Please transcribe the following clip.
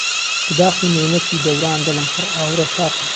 لە داخی مەینەتی دەوران دلم پر ئاورە ساقی